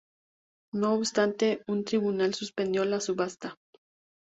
No obstante, un tribunal suspendió la subasta.